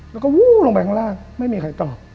แล้วก็วู้ลงไปข้างล่างไม่มีใครตอบ